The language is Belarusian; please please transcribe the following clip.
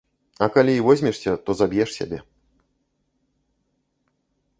А калі і возьмешся, то заб'еш сябе.